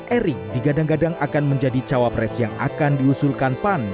erick digadang gadang akan menjadi cawapres yang akan diusulkan pan